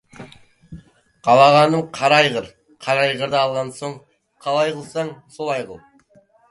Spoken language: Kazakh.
Қалағаным қара айғыр, қара айғырды алған соң, қалай қылсаң, солай қыл.